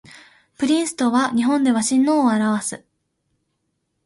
プリンスとは日本では親王を表す